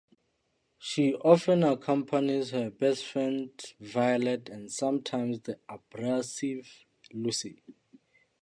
She often accompanies her best friend Violet and sometimes the abrasive Lucy.